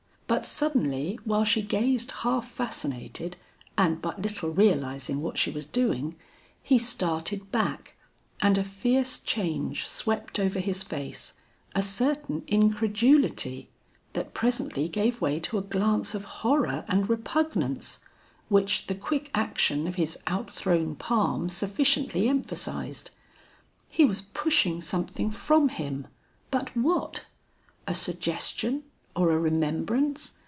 But suddenly while she gazed half fascinated and but little realizing what she was doing, he started back and a fierce change swept over his face, a certain incredulity, that presently gave way to a glance of horror and repugnance, which the quick action of his out thrown palm sufficiently emphasized. He was pushing something from him, but what? A suggestion or a remembrance?